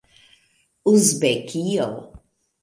uzbekio